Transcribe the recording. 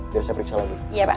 biar saya periksa lagi